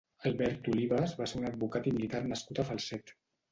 Albert Olives va ser un advocat i militar nascut a Falset.